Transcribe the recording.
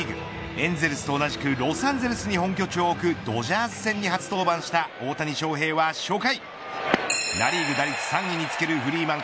エンゼルスと同じくロサンゼルスに本拠地を置くドジャース戦に初登板した大谷翔平は初回。